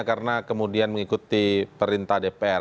karena kemudian mengikuti perintah dpr